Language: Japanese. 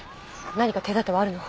何か手だてはあるの？